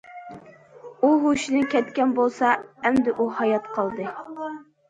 ئۇ ھوشىدىن كەتكەن بولسا، ئەمدى ئۇ ھايات قالدى.